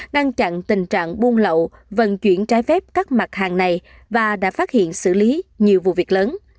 ngăn chặn tình trạng buôn lậu vận chuyển trái phép các mặt hàng này và đã phát hiện xử lý nhiều vụ việc lớn